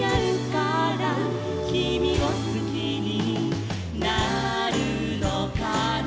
「きみをすきになるのかな」